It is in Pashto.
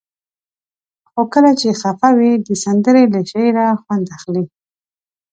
خو کله چې خفه وئ؛ د سندرې له شعره خوند اخلئ.